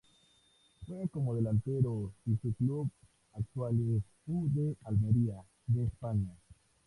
Juega como delantero y su club actual es U. D. Almería, de España.